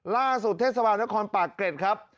ล่าสุดเทศวาวิทยาลัยนครปากเกร็ดครับ